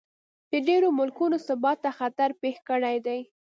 د ډېرو ملکونو ثبات ته خطر پېښ کړی دی.